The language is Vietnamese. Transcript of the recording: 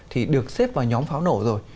thì được xếp vào nhóm pháo nổ rồi